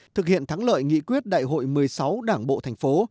thực hiện thắng lợi nghị quyết đại hội một mươi sáu đảng bộ thành phố